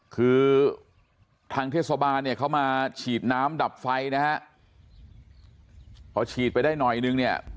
คือทางเทศบาลเนี่ยเขามาฉีดน้ำดับไฟนะฮะพอฉีดไปได้หน่อยนึงเนี่ย